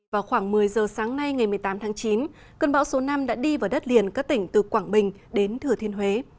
vào khoảng một mươi giờ sáng nay ngày một mươi tám tháng chín cơn bão số năm đã đi vào đất liền các tỉnh từ quảng bình đến thừa thiên huế